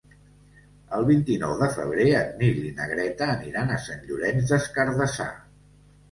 El vint-i-nou de febrer en Nil i na Greta aniran a Sant Llorenç des Cardassar.